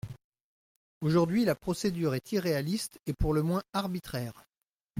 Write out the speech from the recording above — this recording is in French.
Aujourd’hui, la procédure est irréaliste et pour le moins arbitraire.